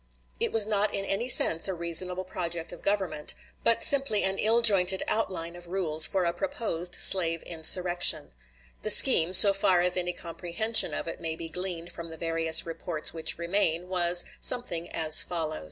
It was not in any sense a reasonable project of government, but simply an ill jointed outline of rules for a proposed slave insurrection. The scheme, so far as any comprehension of it may be gleaned from the various reports which remain, was something as follows: Mason Report, p.